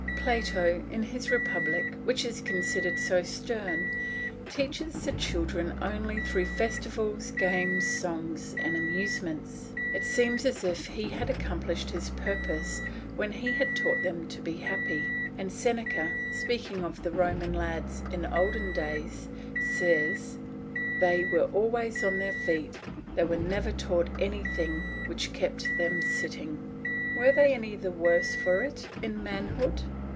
Plato, in his Republic, which is considered so stern, teaches the children only through festivals, games, songs, and amusements. It seems as if he had accomplished his purpose when he had taught them to be happy; and Seneca, speaking of the Roman lads in olden days, says, "They were always on their feet, they were never taught anything which kept them sitting." Were they any the worse for it in manhood?